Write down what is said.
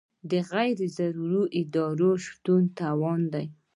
د غیر ضروري ادارو شتون تاوان دی.